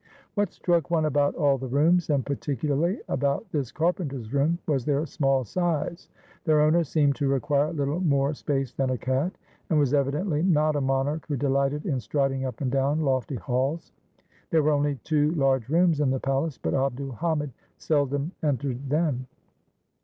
" What struck one about all the rooms, and particularly about this carpenter's room, was their small size. Their owner seemed to require little more space than a cat, and was evidently not a monarch who delighted in striding up and down lofty halls. There were only two large rooms in the palace, but Abd ul Hamid seldom entered them.